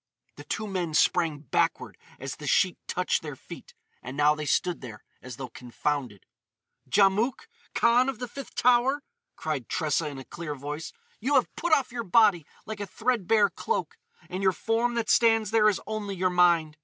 The two men sprang backward as the sheet touched their feet, and now they stood there as though confounded. "Djamouk, Kahn of the Fifth Tower!" cried Tressa in a clear voice, "you have put off your body like a threadbare cloak, and your form that stands there is only your mind!